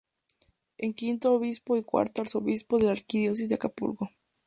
Es quinto obispo y cuarto arzobispo de la Arquidiócesis de Acapulco.